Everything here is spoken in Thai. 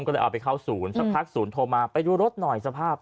ก็เลยเอาไปเข้าศูนย์สักพักศูนย์โทรมาไปดูรถหน่อยสภาพ